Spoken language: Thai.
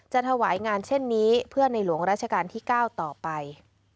ถวายงานเช่นนี้เพื่อในหลวงราชการที่๙ต่อไป